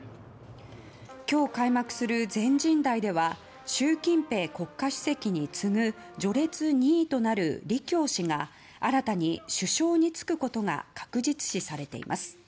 今日、開幕する全人代では習近平国家主席に次ぐ序列２位となる李強氏が新たに首相に就くことが確実視されています。